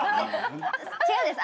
違うんです